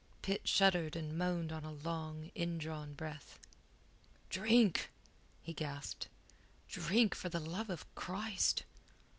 Pitt shuddered and moaned on a long, indrawn breath. "Drink!" he gasped. "Drink, for the love of Christ!"